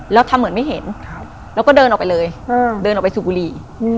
แล้วทำเหมือนไม่เห็นแล้วก็เดินออกไปเลยเดินออกไปสูบบุหรี่